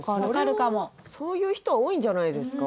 それはそういう人は多いんじゃないですか？